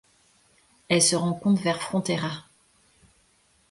Elle se rencontre vers Frontera.